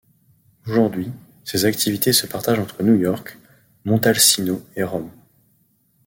Aujourd'hui, ses activités se partagent entre New York, Montalcino et Rome.